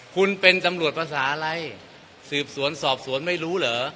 คุณเป็นตำรวจภาษาอะไรสืบสวนสอบสวนไม่รู้เหรอ